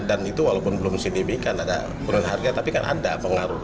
dan itu walaupun belum disedemikan ada penghargaan tapi kan ada pengaruh